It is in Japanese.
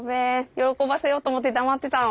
喜ばせようと思って黙ってたの。